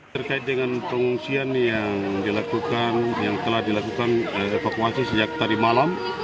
terkait dengan pengungsian yang dilakukan yang telah dilakukan evakuasi sejak tadi malam